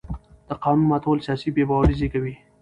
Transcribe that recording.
د قانون ماتول سیاسي بې باوري زېږوي